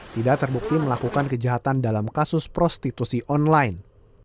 tidak terbukti melakukan kejahatan dalam kasus prostitusi online